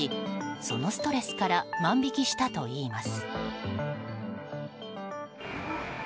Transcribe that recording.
そのストレスから万引きしたといいます。